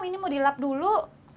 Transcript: ini mau dilap dulu